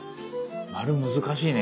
丸難しいね。